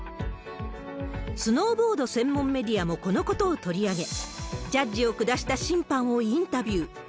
スノーボード専門メディアもこのことを取り上げ、ジャッジを下した審判をインタビュー。